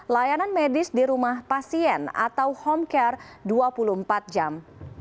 layanan medis di rumah pasien atau homecare dua puluh empat jam